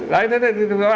đấy các bạn hiểu rồi